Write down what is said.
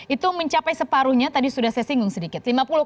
itu mencapai separuhnya tadi sudah saya singgung sedikit